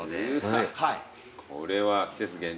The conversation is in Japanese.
これは季節限定